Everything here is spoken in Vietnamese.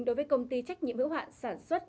đối với công ty trách nhiệm hữu hạn sản xuất